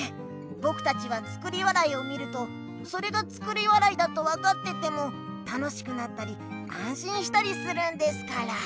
ぼくたちは「作り笑い」を見るとそれが作り笑いだと分かってても楽しくなったりあんしんしたりするんですから。